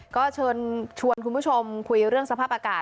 ก็เชิญชวนคุณผู้ชมคุยเรื่องสภาพอากาศ